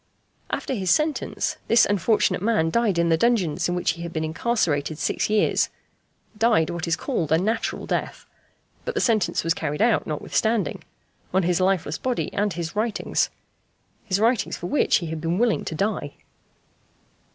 After his sentence, this unfortunate man died in the dungeons in which he had been incarcerated six years died what is called a "natural" death; but the sentence was carried out, notwithstanding, on his lifeless body and his writings. His writings for which he had been willing to die!